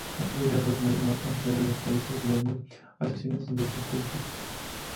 Incluye arroz, maíz, papa, cebolla, hortalizas, y legumbres y asociaciones de estos cultivos.